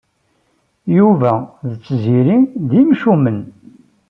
Yuba d Tiziri d imcumen.